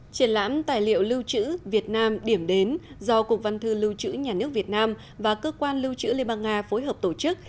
triển lãm tài liệu lưu trữ việt nam điểm đến do cục văn thư lưu trữ nhà nước việt nam và cơ quan lưu trữ liên bang nga phối hợp tổ chức